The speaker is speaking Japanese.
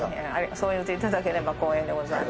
そう言っていただければ光栄でございます。